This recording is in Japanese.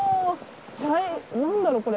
茶何だろうこれ？